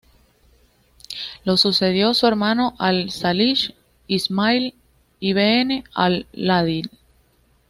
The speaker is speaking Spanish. Lo sucedió su hermano al-Salih Ismail ibn al-Adil.